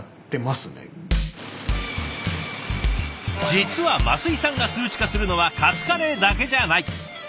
実は升井さんが数値化するのはカツカレーだけじゃない。